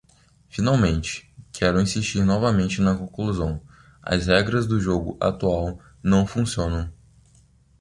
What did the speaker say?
Finalmente, quero insistir novamente na conclusão: as regras do jogo atual não funcionam.